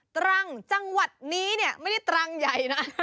ตรังจังหวัดนี้เนี่ยไม่ได้ตรังใหญ่นะ